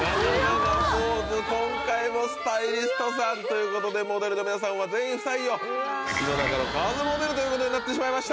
今回もスタイリストさんということでモデルの皆さんは全員不採用井の中の蛙モデルということになってしまいました！